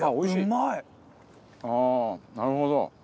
ああーなるほど。